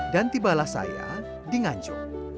dan tibalah saya di nganjuk